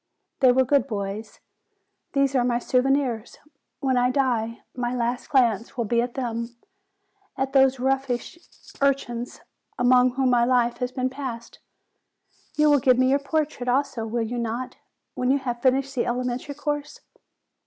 They were good boys. These are my souvenirs. When I die, my last glance will be at them; at those roguish urchins among whom my life has been passed. You will give me your portrait, also, will you not, when you have finished the elementary course?"